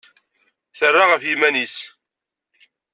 Terra ɣef yiman-nnes.